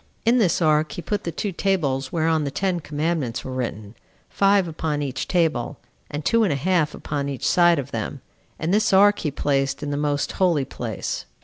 In this ark he put the two tables whereon the ten commandments were written, five upon each table, and two and a half upon each side of them; and this ark he placed in the most holy place.